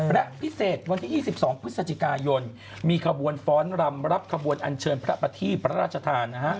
และพิเศษวันที่๒๒พฤศจิกายนมีขบวนฟ้อนรำรับขบวนอันเชิญพระประทีพระราชทาน